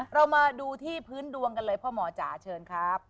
เรามาดูที่พื้นดวงกันเลยพ่อหมอจ๋าเชิญครับ